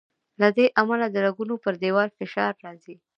له دې امله د رګونو پر دیوال فشار راځي.